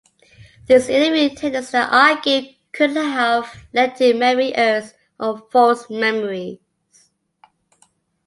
These interview techniques, they argued, could have led to memory errors or false memories.